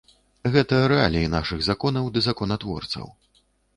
Гэта рэаліі нашых законаў ды законатворцаў.